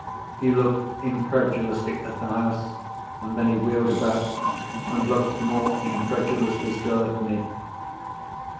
He looked incredulously at the house, and then he wheeled about, and looked more incredulously still at me.